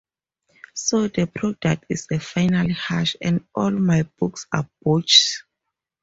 So the product is a final hash, and all my books are botches.